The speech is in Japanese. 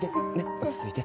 落ち着いて。